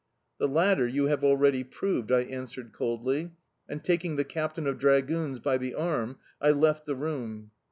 "The latter you have already proved," I answered coldly; and, taking the captain of dragoons by the arm, I left the room.